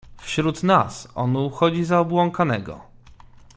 "Wśród nas on uchodzi za obłąkanego."